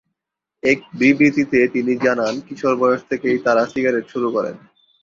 এক বিবৃতিতে তিনি জানান, কিশোর বয়স থেকেই তারা সিগারেট শুরু করেন।